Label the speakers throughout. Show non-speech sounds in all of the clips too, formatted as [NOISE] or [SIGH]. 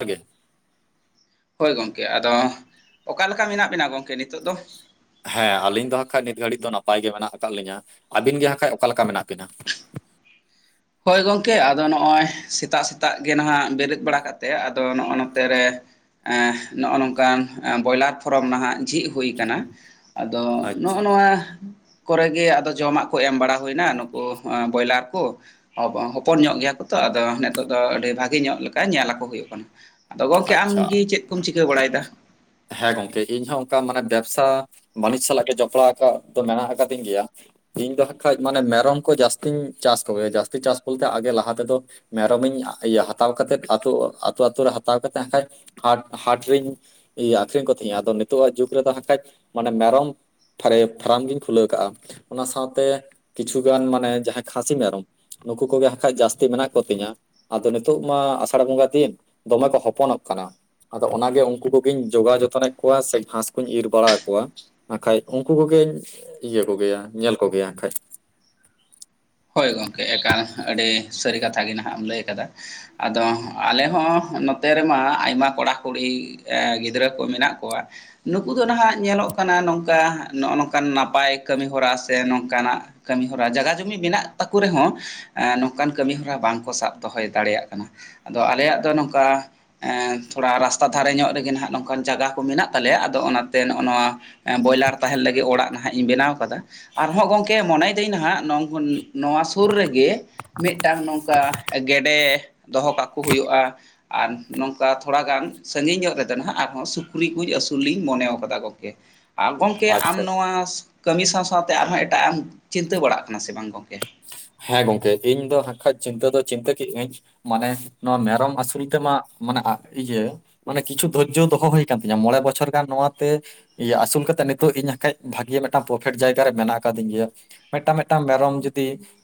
Speaker 1: Okay
Speaker 2: ᱦᱳᱭ ᱜᱚᱢᱠᱮ ᱟᱫᱚ ᱚᱠᱟ ᱞᱮᱠᱟ ᱢᱮᱱᱟᱜ ᱵᱮᱱᱟ ᱜᱚᱢᱠᱮ ᱱᱤᱛᱚᱜ ᱫᱚ
Speaker 1: ᱦᱮᱸ ᱟᱹᱞᱤᱧ ᱫᱚ ᱦᱟᱸᱠᱷᱟᱡ ᱱᱤᱛ ᱜᱷᱟᱹᱲᱤᱡ ᱫᱚ ᱱᱟᱯᱟᱭ ᱜᱮ ᱢᱮᱱᱟᱜ ᱟᱠᱟᱫ ᱞᱤᱧᱟᱹ ᱟᱹᱵᱤᱱ ᱜᱮ ᱦᱟᱸᱜᱠᱷᱟᱡ ᱚᱠᱟᱮ ᱞᱮᱠᱟ ᱢᱮᱱᱟᱜ ᱵᱤᱱᱟ
Speaker 2: ᱦᱳᱭ ᱜᱚᱢᱠᱮ ᱟᱫᱚ ᱱᱚᱜᱼᱚᱭ ᱥᱮᱛᱟᱜ ᱥᱮᱛᱟᱜ ᱜᱮ ᱱᱟᱦᱟᱜ ᱵᱮᱨᱮᱫ ᱵᱟᱲᱟ ᱠᱟ ᱠᱟᱛᱮᱫ ᱟᱫᱚ ᱱᱚᱜᱼᱚᱭ ᱱᱚᱛᱮ ᱨᱮ ᱱᱚᱜᱼᱚ ᱱᱚᱝᱠᱟᱱ ᱵᱚᱭᱞᱟᱨ ᱯᱷᱚᱨᱚᱢ ᱱᱟᱦᱟᱜ ᱡᱷᱤᱡ ᱦᱩᱭ ᱟᱠᱟᱱᱟ ᱟᱫᱚ
Speaker 1: ᱟᱪᱪᱷᱟ
Speaker 2: ᱱᱚᱜᱼᱚ ᱱᱚᱣᱟ ᱠᱚᱨᱮ ᱜᱮ ᱟᱫᱚ ᱡᱚᱢᱟᱜ ᱠᱚ ᱮᱢ ᱵᱟᱲᱟ ᱦᱩᱭᱱᱟ ᱱᱩᱠᱩ ᱵᱚᱭᱞᱟᱨ ᱠᱚ ᱦᱚᱯᱚᱱ ᱧᱚᱜ ᱜᱮᱭᱟ ᱠᱚ ᱛᱚ ᱟᱫᱚ ᱱᱤᱛᱚᱜ ᱫᱚ ᱟᱹᱰᱤ ᱵᱷᱟᱜᱮ ᱧᱚᱜ ᱞᱮᱠᱟ ᱧᱮᱞ ᱟᱠᱚ ᱦᱩᱭᱩᱜ ᱠᱟᱱᱟ ᱟᱫᱚ ᱜᱚᱢᱠᱮ
Speaker 1: ᱟᱪᱪᱷᱟ
Speaker 2: ᱟᱢᱜᱮ ᱪᱮᱫ ᱠᱚᱢ ᱪᱤᱠᱟᱹ ᱵᱟᱲᱟᱭᱮᱫᱟ
Speaker 1: ᱦᱮᱸ ᱜᱚᱢᱠᱮ ᱤᱧᱦᱚ ᱚᱱᱠᱟ ᱢᱟᱱᱮ ᱵᱮᱵᱽᱥᱟ ᱵᱟᱹᱱᱤᱡᱽ ᱥᱟᱞᱟᱜ ᱜᱮ ᱡᱚᱯᱲᱟᱣ ᱟᱠᱟᱫ ᱫᱚ ᱢᱮᱱᱟᱜ ᱟᱠᱟᱫᱤᱧ ᱜᱮᱭᱟ ᱤᱧ ᱫᱚ ᱦᱟᱸᱜ ᱠᱷᱟᱱᱡ ᱢᱟᱱᱮ ᱢᱮᱨᱚᱢ ᱠᱚ ᱡᱟᱹᱥᱛᱤᱧ ᱪᱟᱥ ᱠᱚᱜᱮᱭᱟ ᱡᱟᱹᱥᱛᱤ ᱪᱟᱥ ᱵᱚᱞᱛᱮ ᱟᱜᱮ ᱞᱟᱦᱟ ᱛᱮᱫᱚ ᱢᱮᱨᱚᱢ ᱤᱧ ᱤᱭᱟᱹ ᱦᱟᱛᱟᱣ ᱠᱟᱛᱮᱫ ᱟᱛᱩ ᱟᱛᱩ ᱨᱮᱧ ᱦᱟᱛᱟᱣᱛ ᱦᱟᱜ ᱠᱷᱟᱱᱡ ᱦᱟᱴ ᱦᱟᱴ ᱨᱤᱧ ᱟᱠᱷᱨᱤᱧ ᱠᱚ ᱛᱟᱦᱮᱧ ᱟᱫᱚ ᱱᱤᱛᱚᱜ ᱡᱩᱜᱽ ᱨᱮ ᱫᱚ ᱦᱠᱷᱟᱡ ᱢᱟᱱᱮ ᱢᱮᱨᱚᱢ ᱯᱷᱟᱨᱟᱢ ᱜᱤᱧ ᱠᱷᱩᱞᱟᱹᱣ ᱠᱟᱜᱼᱟ ᱚᱱᱟ ᱥᱟᱶᱛᱮ ᱠᱤᱪᱷᱩᱩᱜᱟᱱ ᱢᱟᱱᱮ ᱡᱟᱦᱟᱸᱭ ᱠᱷᱟᱥᱤ ᱢᱮᱨᱚᱢ ᱱᱩᱠᱩ ᱠᱚᱜᱮ ᱦᱟᱜ ᱠᱷᱟᱡ ᱡᱟᱹᱥᱛᱤ ᱢᱮᱱᱟᱜ ᱠᱚᱛᱤᱧᱟᱹ ᱟᱫᱚ ᱱᱤᱛᱳᱜ ᱢᱟ ᱟᱥᱟᱲ ᱵᱚᱸᱜᱟ ᱫᱤᱱ ᱫᱚᱢᱮ ᱠᱚ ᱦᱚᱯᱚᱱᱚᱜ ᱠᱟᱱᱟ ᱟᱫᱚ ᱚᱱᱟᱜᱮ ᱩᱱᱠᱩ ᱠᱚᱜᱮᱧ ᱡᱚᱜᱟᱣ ᱡᱚᱛᱚᱱᱮᱫ ᱠᱚᱣᱟ ᱥᱮ ᱜᱷᱟᱸᱥ ᱠᱚᱧ ᱤᱨ ᱵᱟᱲᱟ ᱟᱠᱚᱣᱟ ᱦᱟᱜ ᱠᱷᱟᱡ ᱩᱱᱠᱩ ᱠᱚᱜᱮᱧ ᱤᱭᱟᱹ ᱠᱚᱜᱮᱭᱟ ᱧᱮᱞ ᱠᱚᱜᱮᱭᱟ ᱦᱟᱜ ᱠᱷᱟᱡ
Speaker 2: ᱦᱳᱭ ᱜᱚᱢᱠᱮ ᱮᱠᱟᱞ ᱟᱹᱰᱤ ᱥᱟᱹᱨᱤ ᱠᱟᱛᱷᱟ ᱜᱮ ᱱᱟᱦᱟᱜ ᱮᱢ ᱞᱟᱹᱭ ᱟᱠᱟᱫᱟ ᱟᱫᱚ ᱟᱞᱮ ᱦᱚᱸ ᱱᱚᱛᱮ ᱨᱮᱢᱟ ᱟᱭᱢᱟ ᱠᱚᱲᱟ ᱠᱩᱲᱤ ᱜᱤᱫᱽᱨᱟᱹ ᱠᱚ ᱢᱮᱱᱟᱜ ᱠᱚᱣᱟ ᱱᱩᱠᱩ ᱫᱚ ᱱᱟᱦᱟᱜ ᱧᱮᱞᱚᱜ ᱠᱟᱱᱟ ᱱᱚᱝᱠᱟ ᱱᱚᱜᱼᱚ ᱱᱚᱝᱠᱟᱱ ᱱᱟᱯᱟᱭ ᱠᱟᱹᱢᱤ ᱦᱚᱨᱟ ᱥᱮ ᱱᱚᱝᱠᱟᱱᱟᱜ ᱠᱟᱹᱢᱤ ᱦᱚᱨᱟ ᱡᱟᱭᱟ ᱡᱩᱢᱤ ᱢᱮᱱᱟᱜ ᱛᱟᱠᱚ ᱨᱮᱦᱚᱸ ᱱᱚᱝᱠᱟᱱ ᱠᱟᱹᱢᱤ ᱦᱚᱨᱟ ᱵᱟᱝᱠᱚ ᱥᱟᱵ ᱫᱚᱦᱚᱭ ᱫᱟᱲᱮᱭᱟᱜ ᱠᱟᱱᱟ ᱟᱫᱚ ᱟᱞᱮᱭᱟᱜ ᱫᱚ ᱱᱚᱝᱠᱟ ᱮᱜ ᱛᱷᱚᱲᱟ ᱨᱟᱥᱛᱟ ᱫᱷᱟᱨᱮ ᱧᱚᱜ ᱨᱮᱜᱮ ᱦᱟᱸᱜ ᱱᱚᱝᱠᱟᱱ ᱡᱟᱭᱜᱟ ᱠᱚ ᱢᱮᱱᱟᱜ ᱛᱟᱞᱮᱭᱟ ᱟᱫᱚ ᱚᱱᱟᱛᱮ ᱱᱚᱜᱼᱚ ᱱᱚᱣᱟ ᱵᱚᱭᱞᱟᱨ ᱛᱟᱦᱮᱱ ᱞᱟᱹᱜᱤᱫ ᱚᱲᱟᱜ ᱱᱟᱦᱟᱜ ᱤᱧ ᱵᱮᱱᱟᱣ ᱠᱟᱫᱟ ᱟᱨᱦᱚ ᱜᱚᱝᱠᱮ ᱢᱚᱱᱮᱭᱮᱫᱟᱹᱧ ᱱᱟᱦᱟᱜ ᱱᱚᱝ ᱱᱚᱣᱟ ᱥᱩᱨ ᱨᱮᱜᱮ ᱢᱤᱫᱴᱟᱝ ᱱᱚᱝᱠᱟ ᱜᱮᱰᱮ ᱫᱚᱦᱚ ᱠᱟᱠᱚ ᱦᱩᱭᱩᱜᱼᱟ ᱟᱨ ᱱᱚᱝᱠᱟ ᱛᱷᱚᱲᱟ ᱜᱟᱱ ᱥᱟᱺᱜᱤᱧ ᱧᱚᱜ ᱨᱮᱫᱚ ᱦᱟᱸᱜ ᱟᱨᱦᱚᱸ ᱥᱩᱠᱨᱤ ᱠᱚ ᱟᱹᱥᱩᱞ ᱞᱤᱧ ᱢᱚᱱᱮᱣ ᱠᱟᱫᱟ ᱜᱚᱢᱠᱮ ᱟᱨ ᱜᱚᱢᱠᱮ ᱟᱢ
Speaker 1: ᱟᱪᱪᱷᱟ
Speaker 2: ᱱᱚᱣᱟ ᱠᱟᱹᱢᱤ ᱥᱟᱶ ᱥᱟᱶᱛᱮ ᱟᱨᱦᱚᱸ ᱮᱴᱟᱜ ᱮᱢ ᱪᱤᱱᱛᱟᱹ ᱵᱟᱲᱟᱜ ᱠᱟᱱᱟ ᱥᱮ ᱵᱟᱝ ᱜᱚᱝᱠᱮ
Speaker 1: ᱦᱮᱸ ᱜᱚᱝᱠᱮ ᱤᱧ ᱫᱚ ᱦᱟᱠᱷᱟᱡ ᱪᱤᱱᱛᱟᱹ ᱫᱚ ᱪᱤᱱᱛᱟᱹ ᱠᱮ ᱜᱟᱹᱧ ᱢᱟᱱᱮ ᱱᱚᱣᱟ ᱢᱮᱨᱚᱢ ᱟᱹᱥᱩᱞ ᱛᱮᱢᱟ ᱢᱟᱱᱮ ᱤᱭᱟᱹ ᱢᱟᱱᱮ ᱠᱤᱪᱷᱩ ᱫᱷᱳᱨᱡᱚ ᱫᱚᱦᱚ ᱦᱩᱭ ᱟᱠᱟᱱ ᱛᱤᱧᱟᱹ ᱢᱚᱬᱮ ᱵᱚᱪᱷᱚᱨ ᱜᱟᱱ ᱱᱚᱣᱟᱛᱮ ᱤᱭᱟᱹ ᱟᱹᱥᱩᱞ ᱠᱟᱛᱮᱜ ᱱᱤᱛᱚᱜ ᱤᱧ ᱦᱟᱠᱷᱟᱡ ᱵᱷᱟᱜᱮ ᱢᱤᱫᱴᱟᱝ ᱯᱨᱚᱯᱷᱤᱴ ᱡᱟᱭᱜᱟ ᱨᱮ ᱢᱮᱱᱟᱜ ᱟᱠᱟᱫᱤᱧ ᱜᱮᱭᱟ ᱢᱤᱫᱴᱟᱝ ᱢᱤᱫᱴᱟᱝ ᱢᱮᱨᱚᱢ ᱡᱩᱫᱤ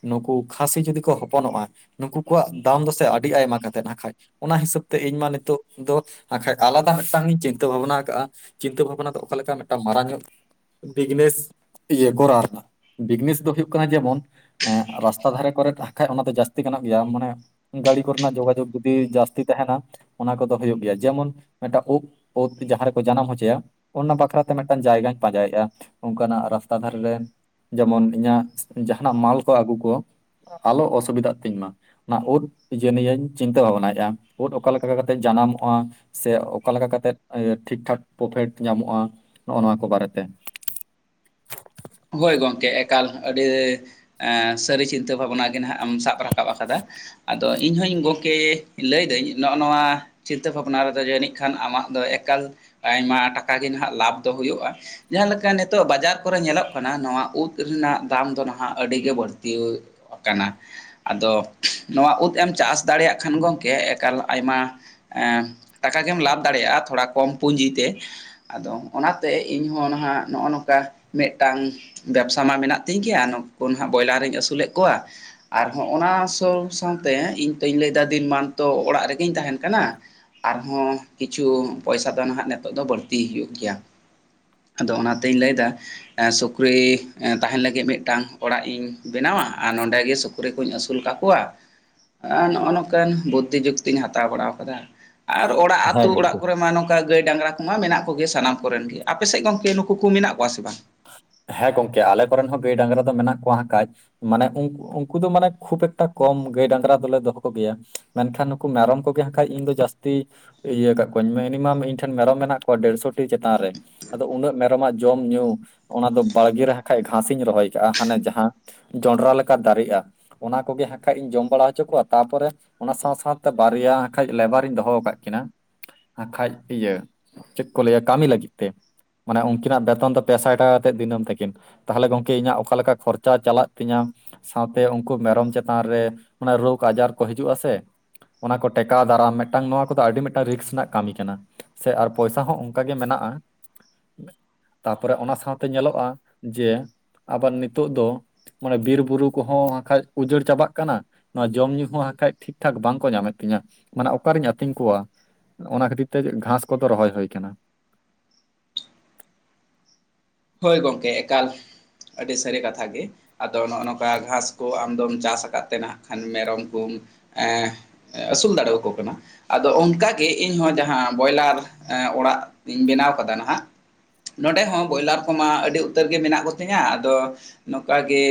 Speaker 1: ᱱᱩᱠᱩ ᱠᱷᱟᱹᱥᱤ ᱡᱩᱫᱤ ᱠᱚ ᱦᱚᱯᱚᱱᱚᱜᱼᱟ ᱱᱩᱠᱩ ᱠᱚᱣᱟᱜ ᱫᱟᱢ ᱫᱚᱥᱮ ᱟᱹᱰᱤ ᱟᱭᱢᱟ ᱠᱟᱛᱮᱫ ᱱᱟᱠᱷᱟᱡ ᱚᱱᱟ ᱦᱤᱥᱟᱹᱵᱽ ᱛᱮ ᱤᱧ ᱢᱟ ᱱᱤᱛᱚᱜ ᱫᱚ ᱱᱟᱠᱷᱟᱡ ᱟᱞᱟᱫᱟ ᱢᱤᱫᱴᱟᱝᱤᱧ ᱪᱤᱱᱛᱟᱹ ᱵᱷᱟᱵᱱᱟ ᱟᱠᱟᱫᱼᱟ ᱪᱤᱱᱛᱟᱹ ᱵᱷᱟᱵᱽᱱᱟ ᱫᱚ ᱚᱠᱟ ᱞᱮᱠᱟ ᱢᱤᱫᱴᱟᱝ ᱢᱟᱨᱟᱝ ᱧᱚᱜ ᱵᱤᱜᱽᱱᱮᱥ ᱤᱭᱟᱹ ᱠᱚᱨᱟᱣ ᱨᱮᱱᱟᱜ ᱵᱤᱜᱽᱱᱮᱥ ᱫᱚ ᱦᱩᱭᱩᱜ ᱠᱟᱱᱟ ᱡᱮᱢᱚᱱ ᱦᱮᱸ ᱨᱟᱥᱛᱟ ᱫᱷᱟᱨᱮ ᱠᱚᱨᱮ ᱦᱟᱠᱷᱟᱱᱡ ᱚᱱᱟ ᱫᱚ ᱡᱟᱹᱥᱛᱤ ᱜᱟᱱᱚᱜ ᱜᱮᱭᱟ ᱢᱟᱱᱮ ᱜᱟᱹᱲᱤ ᱠᱚᱨᱮᱱᱟᱜ ᱡᱳᱜᱟᱡᱳᱜᱽ ᱡᱩᱫᱤ ᱡᱟᱹᱥᱛᱤ ᱛᱟᱦᱮᱱᱟ ᱚᱱᱟ ᱠᱚᱫᱚ ᱦᱩᱭᱩᱜ ᱜᱮᱭᱟ ᱡᱮᱢᱚᱱ ᱢᱤᱫᱴᱟᱝ ᱩᱵ ᱯᱩᱛ ᱡᱟᱦᱟᱸ ᱨᱮᱠᱚ ᱡᱟᱱᱟᱢ ᱦᱚᱪᱚᱭᱟ ᱚᱱᱟ ᱵᱟᱠᱷᱨᱟᱛᱮ ᱢᱤᱫᱴᱟᱱ ᱡᱟᱭᱜᱟᱧ ᱯᱟᱸᱡᱟᱭᱮᱫᱼᱟ ᱚᱱᱠᱟᱱᱟᱜ ᱨᱟᱥᱛᱟ ᱫᱷᱟᱨᱮ ᱨᱮ ᱡᱮᱢᱚᱱ ᱤᱧᱟᱹᱜ ᱡᱟᱦᱱᱟᱜ ᱢᱟᱞ ᱠᱚ ᱟᱹᱜᱩ ᱠᱚ᱾ ᱟᱞᱚ ᱚᱥᱩᱵᱤᱫᱷᱟᱜ ᱛᱤᱧ ᱢᱟ᱾ ᱚᱱᱟ ᱩᱫ ᱱᱤᱭᱟᱹᱧ ᱪᱤᱱᱛᱟᱹ ᱵᱷᱟᱵᱱᱟᱭᱮᱫᱼᱟ ᱩᱫ ᱚᱠᱟ ᱞᱮᱠᱟ ᱠᱟᱛᱮᱫ ᱡᱟᱱᱟᱢᱚᱜᱼᱟ᱾ ᱥᱮ ᱚᱠᱟᱞᱮᱠᱟ ᱠᱟᱛᱮᱜ ᱴᱷᱤᱠᱴᱷᱟᱠ ᱯᱨᱚᱯᱷᱤᱴ ᱧᱟᱢᱚᱜᱼᱟ ᱱᱚᱜᱼᱚ ᱱᱚᱣᱟ ᱠᱚ ᱵᱟᱨᱮᱛᱮ᱾
Speaker 2: ᱦᱳᱭ ᱜᱚᱢᱠᱮ ᱮᱠᱟᱞ ᱟᱹᱰᱤ᱾ ᱥᱟᱹᱨᱤ ᱪᱤᱱᱛᱟᱹ ᱵᱷᱟᱵᱱᱟ ᱜᱮ ᱦᱟᱜ ᱮᱢ ᱥᱟᱵ ᱨᱟᱠᱟᱵ ᱟᱠᱟᱫᱟ᱾ ᱟᱫᱚ ᱤᱧᱦᱚᱸᱧ ᱜᱚᱢᱠᱮ ᱞᱟᱹᱭᱫᱟᱹᱧ ᱱᱚᱜᱼᱚ ᱱᱚᱣᱟ᱾ ᱪᱤᱱᱛᱟᱹ ᱵᱷᱟᱵᱽᱱᱟ ᱨᱮᱫᱚ ᱡᱟᱹᱱᱤᱡ ᱠᱷᱟᱱ ᱟᱢᱟᱜ ᱫᱚ ᱮᱠᱟᱞ ᱟᱭᱢᱟ ᱴᱟᱠᱟ ᱜᱮ ᱦᱟᱜ ᱞᱟᱵᱷ ᱫᱚ ᱦᱩᱭᱩᱜᱼᱟ᱾ ᱡᱟᱦᱟᱸ ᱞᱮᱠᱟ ᱱᱤᱛᱚᱜ ᱵᱟᱡᱟᱨ ᱠᱚᱨᱮ ᱧᱮᱞᱚᱜ᱾ ᱚᱱᱟ ᱱᱚᱣᱟ ᱩᱫ ᱨᱮᱱᱟᱜ ᱫᱟᱢ ᱫᱚ ᱱᱟᱦᱟᱜ ᱟᱹᱰᱤᱜ ᱜᱮ ᱵᱟᱹᱲᱛᱤ ᱟᱠᱟᱱᱟ᱾ ᱟᱫᱚ ᱱᱚᱣᱟ ᱩᱫ ᱮᱢ ᱪᱟᱥ ᱫᱟᱲᱮᱭᱟᱜ ᱠᱷᱟᱱ ᱜᱚᱢᱠᱮ ᱮᱠᱟᱞ ᱟᱭᱢᱟ᱾ ᱮ ᱴᱟᱠᱟ ᱜᱮᱢ ᱞᱟᱵᱷ ᱫᱟᱲᱮᱭᱟᱜᱼᱟ ᱛᱷᱚᱲᱟ ᱠᱚᱢ ᱯᱩᱸᱡᱤ ᱛᱮ᱾ ᱟᱫᱚ ᱚᱱᱟᱛᱮ ᱤᱧᱦᱚᱸ ᱱᱟᱦᱟᱜ ᱱᱚᱜᱼᱚ ᱱᱚᱝᱠᱟ ᱢᱮ᱾ ᱢᱤᱫᱴᱟᱝ ᱵᱮᱵᱥᱟ ᱢᱟ ᱢᱮᱱᱟᱜ ᱛᱤᱧ ᱜᱮᱭᱟ ᱱᱩᱠᱩ ᱱᱟᱦᱟᱜ ᱵᱚᱭᱞᱟᱨᱤᱧ ᱟᱹᱥᱩᱞᱮᱫ ᱠᱚᱣᱟ᱾ ᱟᱨ ᱦᱚᱸᱜᱼ ᱚᱱᱟ ᱥᱟᱶ ᱥᱟᱶᱛᱮ ᱤᱧ ᱛᱚᱧ ᱞᱟᱹᱭᱫᱟ ᱫᱤᱱᱢᱟᱱ ᱛᱚ ᱚᱲᱟᱜ ᱨᱮᱜᱤᱧ ᱛᱟᱦᱮᱱ ᱠᱟᱱᱟ᱾ ᱟᱨᱦᱚᱸ ᱠᱤᱪᱷᱩ ᱯᱚᱭᱥᱟ ᱫᱚ ᱱᱟᱦᱟᱜ ᱱᱤᱛᱚᱜ ᱫᱚ ᱵᱟᱹᱲᱛᱤ ᱦᱩᱭᱩᱜ ᱜᱮᱭᱟ᱾ ᱟᱫᱚ ᱚᱱᱟᱛᱤᱧ ᱞᱟᱹᱭ ᱮᱫᱟ᱾ ᱥᱩᱠᱨᱤ ᱛᱟᱦᱮᱱ ᱞᱟᱹᱜᱤᱫ ᱢᱤᱫᱴᱟᱝ ᱚᱲᱟᱜ ᱤᱧ ᱵᱮᱱᱟᱣᱟ ᱟᱨ ᱱᱚᱰᱮ ᱜᱮ ᱥᱩᱼᱼ ᱥᱩᱠᱨᱤ ᱠᱚᱧ ᱟᱹᱥᱩᱞ ᱠᱫ ᱠᱚᱣᱟ ᱱᱚᱜᱼᱚ ᱱᱚᱝᱠᱟᱱ ᱵᱩᱫᱽᱫᱷᱤ ᱡᱩᱠᱛᱤᱧ ᱦᱟᱛᱟᱣ ᱵᱟᱲᱟ ᱟᱠᱟᱫᱟ᱾ ᱟᱨ ᱚᱲᱟᱜ ᱟᱹᱛᱩ
Speaker 1: ᱦᱮᱸ
Speaker 2: ᱚᱲᱟᱜ
Speaker 1: ᱜᱚᱝᱠᱮ
Speaker 2: ᱠᱚᱨᱮ [INAUDIBLE] ᱜᱟᱹᱭ ᱰᱟᱝᱨᱟ ᱠᱚᱢᱟ ᱢᱮᱱᱟᱜ ᱠᱚᱜᱮ ᱥᱟᱱᱟᱢ ᱠᱚᱨᱮᱱ ᱜᱮ ᱟᱯᱮᱥᱮᱫ ᱜᱚᱝᱠᱮ ᱱᱩᱠᱩ ᱠᱚ ᱢᱮᱱᱟᱜ ᱠᱚᱣᱟ ᱥᱮ ᱵᱟᱝ᱾
Speaker 1: ᱦᱮᱸ ᱜᱚᱝᱠᱮ ᱟᱞᱮ ᱠᱚᱨᱮᱱ ᱦᱚᱸ ᱜᱟᱹᱭ ᱰᱟᱝᱨᱟ ᱫᱚ ᱢᱮᱱᱟᱜ ᱠᱚᱣᱟ ᱠᱟᱡ᱾ ᱢᱟᱱᱮ ᱩᱱᱠᱩ ᱫᱚ ᱢᱟᱱᱮ ᱠᱷᱩᱵ ᱮᱠᱴᱟ ᱠᱚᱢ ᱜᱟᱹᱭ ᱰᱟᱝᱨᱟ ᱫᱚᱞᱮ ᱫᱚᱦᱚ ᱠᱚᱜᱮᱭᱟ᱾ ᱢᱮᱱᱠᱷᱟᱱ ᱱᱩᱠᱩ ᱢᱮᱨᱚᱢ ᱠᱚᱜᱮ ᱦᱟᱜ ᱠᱷᱟᱡ ᱤᱧ ᱫᱚ ᱡᱟᱹᱥᱛᱤ᱾ ᱤᱭᱟᱹᱠᱟᱜ ᱠᱚᱣᱟᱧ ᱢᱤᱱᱤᱢᱟᱢ ᱤᱧ ᱴᱷᱮᱱ ᱢᱮᱨᱚᱢ ᱢᱮᱱᱟᱜ ᱠᱚᱣᱟ ᱰᱮᱲᱥᱚ ᱴᱤ ᱪᱮᱛᱟᱱ ᱨᱮ᱾ ᱟᱫᱚ ᱩᱱᱟᱹᱜ ᱢᱮᱨᱚᱢᱟᱜ ᱡᱚᱢ ᱧᱩ ᱚᱱᱟ ᱫᱚ ᱵᱟᱲᱜᱮ ᱨᱮ ᱠᱷᱟᱱᱡ ᱜᱷᱟᱥᱤᱧ ᱨᱚᱦᱚᱭ ᱠᱟᱜᱼᱟ ᱦᱟᱱᱮ ᱡᱟᱦᱟᱸ᱾ ᱡᱚᱱᱰᱨᱟ ᱞᱮᱠᱟ ᱫᱟᱨᱮᱜᱼᱟ ᱚᱱᱟ ᱠᱚᱜᱮ ᱦᱟᱠᱷᱟᱡ ᱤᱧ ᱡᱚᱢ ᱵᱟᱲᱟ ᱦᱚᱪᱚ ᱠᱚᱣᱟ ᱛᱟᱨᱯᱚᱨᱮ᱾ ᱚᱱᱟ ᱥᱟᱶ ᱥᱟᱶᱛᱮ ᱵᱟᱨᱭᱟ ᱠᱷᱟᱡ ᱞᱮᱵᱟᱨᱤᱧ ᱫᱚᱦᱚ ᱟᱠᱟᱫ ᱠᱤᱱᱟ᱾ ᱟᱨ ᱠᱷᱟᱡ ᱤᱭᱟᱹ ᱪᱮᱫ ᱠᱚ ᱞᱟᱹᱭᱟ ᱠᱟᱹᱢᱤ ᱞᱟᱹᱜᱤᱫ ᱛᱮ ᱢᱟᱱᱮ ᱩᱱᱠᱤᱱᱟᱜ ᱵᱮᱛᱚᱱ ᱫᱚ ᱯᱮᱥᱟᱭ᱾ ᱴᱟ ᱠᱟᱛᱮᱫ ᱫᱤᱱᱟᱹᱢ ᱛᱟᱹᱠᱤᱱ ᱛᱟᱦᱚᱞᱮ ᱜᱚᱢᱠᱮ ᱤᱧᱟᱹᱜ ᱚᱠᱟ ᱞᱮᱠᱟ ᱠᱷᱚᱨᱪᱟ ᱪᱟᱞᱟᱜ ᱛᱤᱧᱟᱹ᱾ ᱥᱟᱶᱛᱮ ᱩᱱᱠᱩ ᱢᱮᱨᱚᱢ ᱪᱮᱛᱟᱱ ᱨᱮ ᱨᱳᱜᱽ ᱟᱡᱟᱨ ᱠᱚ ᱦᱤᱡᱩᱜᱼᱟ ᱥᱮ᱾ ᱚᱱᱟ ᱠᱚ ᱴᱮᱠᱟᱣ ᱫᱟᱨᱟᱢ ᱢᱤᱫᱴᱟᱝ ᱱᱚᱣᱟ ᱠᱚᱫᱚ ᱟᱹᱰᱤ ᱢᱤᱫᱴᱟᱝ ᱨᱤᱠᱥ ᱨᱮᱱᱟᱜ ᱠᱟᱹᱢᱤ ᱠᱟᱱᱟ᱾ ᱥᱮ ᱟᱨ ᱯᱚᱭᱥᱟ ᱦᱚᱸ ᱚᱱᱠᱟᱜ ᱜᱮ ᱢᱮᱱᱟᱜᱼᱟ ᱛᱟᱯᱚᱨᱮ ᱚᱱᱟ ᱥᱟᱶ᱾ ᱛᱮ ᱧᱮᱞᱚᱜᱼᱟ ᱡᱮ ᱟᱵᱟᱨ ᱱᱤᱛᱚᱜ ᱫᱚ᱾ ᱢᱟᱱᱮ ᱵᱤᱨ ᱵᱩᱨᱩ ᱠᱚᱦᱚᱸ ᱵᱟᱝᱠᱷᱟᱡ ᱩᱡᱟᱹᱲ ᱪᱟᱵᱟᱜ ᱠᱟᱱᱟ᱾ ᱱᱚᱣᱟ ᱡᱚᱢᱧᱩ ᱦᱚᱸ ᱵᱟᱠᱷᱟᱡ ᱴᱷᱤᱠ ᱴᱷᱟᱠ ᱵᱟᱝᱠᱚ ᱧᱟᱢᱮᱫ ᱛᱤᱧᱟᱹ ᱢᱟᱱᱮ ᱚᱠᱟᱨᱤᱧ ᱟᱹᱛᱤᱧ ᱠᱚᱣᱟ᱾ ᱚᱱᱟ ᱠᱷᱟᱹᱛᱤᱨ ᱛᱮ ᱜᱷᱟᱸᱥ ᱠᱚᱫᱚ ᱨᱚᱦᱚᱭ ᱦᱩᱭ ᱠᱟᱱᱟ᱾
Speaker 2: ᱦᱳᱭ ᱜᱚᱝᱠᱮ ᱮᱠᱟᱞ ᱟᱹᱰᱤ ᱥᱟᱹᱨᱤ ᱠᱟᱛᱷᱟ ᱜᱮ᱾ ᱟᱫᱚ ᱱᱚᱜᱼᱚ ᱱᱚᱝᱠᱟ ᱜᱷᱟᱥ ᱠᱚ ᱟᱢᱫᱢ ᱪᱟᱥ ᱟᱠᱟᱫ ᱛᱮ ᱱᱟᱜ ᱠᱷᱟᱱ ᱢᱮᱨᱚᱢ ᱠᱚᱢ ᱮᱸ᱾ ᱟᱹᱥᱩᱞ ᱫᱟᱲᱮᱭᱟᱠᱚ ᱠᱟᱱᱟ᱾ ᱟᱫᱚ ᱚᱱᱠᱟᱜᱮ ᱤᱧᱦᱚᱸ ᱡᱟᱦᱟᱸ ᱵᱚᱭᱞᱟᱨ ᱚᱲᱟᱜ ᱤᱧ ᱵᱮᱱᱟᱣ ᱠᱟᱫᱟ ᱱᱟᱦᱟᱜ᱾ ᱱᱚᱸᱰᱮ ᱦᱚᱸ ᱵᱚᱭᱞᱟᱨ ᱠᱚᱢᱟ ᱟᱹᱰᱤ ᱩᱛᱟᱹᱨ ᱜᱮ ᱢᱮᱱᱟᱜ ᱠᱚᱛᱤᱧᱟ ᱟᱫᱚ ᱱᱚᱝᱠᱟ ᱜᱮ᱾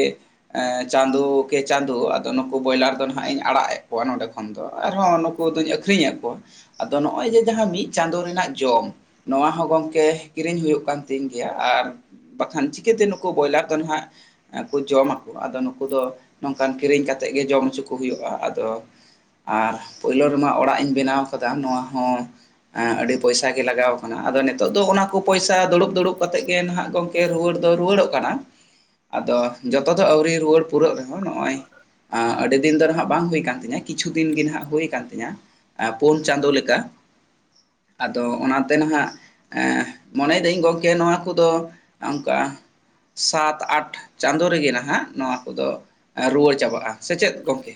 Speaker 2: ᱮᱸ ᱪᱟᱸᱫᱚ ᱠᱮ ᱪᱟᱸᱫᱚ ᱟᱫᱚ ᱱᱩᱠᱩ ᱵᱚᱭᱞᱟᱨ ᱫᱚ ᱱᱟᱦᱟᱜ ᱤᱧ ᱟᱲᱟᱜ ᱮᱫ ᱠᱚᱣᱟ ᱱᱚᱸᱰᱮ᱾ ᱛᱚᱠᱷᱚᱱ ᱫᱚ ᱟᱨᱦᱚᱸ ᱱᱩᱠᱩ ᱫᱚᱧ ᱟᱹᱠᱷᱨᱤᱧᱮᱫ ᱠᱚᱣᱟ, ᱟᱫᱚ ᱱᱚᱜᱼᱚᱭ ᱡᱮ ᱡᱟᱦᱟᱸ ᱢᱤᱫ ᱪᱟᱸᱫᱳ ᱨᱮᱱᱟᱜ ᱡᱚᱢ᱾ ᱱᱚᱣᱟ ᱦᱚᱸ ᱜᱚᱝᱠᱮ ᱠᱤᱨᱤᱧ ᱦᱩᱭᱩᱜ ᱠᱟᱱ ᱛᱤᱧ ᱜᱮᱭᱟ ᱟᱨ᱾ ᱵᱟᱠᱷᱟᱱ ᱪᱤᱠᱟᱹᱛᱮ ᱱᱩᱠᱩ ᱵᱚᱭᱞᱟᱨ ᱫᱚ ᱦᱟᱸᱜᱼᱼ ᱡᱚᱢ ᱟᱠᱚ ᱟᱫᱚ ᱱᱩᱠᱩ ᱫᱚ ᱱᱚᱝᱠᱟᱱ ᱠᱤᱨᱤᱧ ᱠᱟᱛᱮᱜ ᱜᱮ ᱡᱚᱢ ᱦᱚᱪᱚ ᱠᱚ ᱦᱩᱭᱩᱜᱼᱟ ᱟᱫᱚᱼᱼ ᱟᱨ ᱯᱳᱭᱞᱳ ᱨᱮᱢᱟ ᱚᱲᱟᱜ ᱤᱧ ᱵᱮᱱᱟᱣ ᱠᱟᱫᱟ ᱱᱚᱣᱟ ᱦᱚᱸᱼᱼ ᱟᱹᱰᱤ ᱯᱚᱭᱥᱟ ᱜᱮ ᱞᱟᱜᱟᱣ ᱠᱟᱱᱟ ᱟᱫᱚ ᱱᱤᱛᱚᱜ ᱫᱚ ᱚᱱᱟ ᱠᱚ ᱯᱚᱭᱥᱟ ᱫᱩᱲᱩᱵ ᱫᱩᱲᱩᱵ ᱠᱟᱛᱮᱫ ᱜᱮ ᱱᱟᱦᱟᱜᱼᱼ ᱜᱚᱢᱠᱮ ᱨᱩᱣᱟᱹᱲ ᱫᱚ ᱨᱩᱣᱟᱹᱲᱚᱜ ᱠᱟᱱᱟ, ᱟᱫᱚ ᱡᱚᱛᱚ ᱫᱚ ᱟᱹᱣᱨᱤ ᱨᱩᱣᱟᱹᱲ ᱯᱩᱨᱟᱹᱜ ᱨᱮᱦᱚᱸ ᱱᱚᱜᱼᱚᱭᱼᱼ ᱟᱹᱰᱤ ᱫᱤᱱ ᱫᱚ ᱦᱟᱸᱜ ᱵᱟᱝ ᱦᱩᱭ ᱠᱟᱱ ᱛᱤᱧᱟᱹ ᱠᱤᱪᱷᱩ ᱫᱤᱱ ᱜᱮ ᱦᱟᱸᱜ ᱦᱩᱭ ᱠᱟᱱ ᱛᱤᱧᱟᱹ, ᱯᱳᱱ ᱪᱟᱸᱫᱳ ᱞᱮᱠᱟ᱾ ᱟᱫᱚ ᱚᱱᱟ ᱛᱮ ᱱᱟᱦᱟᱜ ᱢᱚᱱᱮᱭ ᱫᱟᱹᱧ ᱜᱚᱢᱠᱮ ᱱᱚᱣᱟ ᱠᱚᱫᱚᱼᱼ ᱚᱱᱠᱟᱼᱼ ᱥᱟᱛ ᱟᱴ ᱪᱟᱸᱫᱳ ᱨᱮᱜᱮ ᱱᱟᱦᱟᱜ ᱱᱚᱣᱟ ᱠᱚᱫᱚ ᱨᱩᱣᱟᱹᱲ ᱪᱟᱵᱟᱜᱼᱟ᱾ ᱥᱮ ᱪᱮᱫ ᱜᱚᱢᱠᱮ?